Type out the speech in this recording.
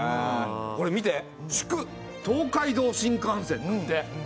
これ見て「祝東海道新幹線」だって。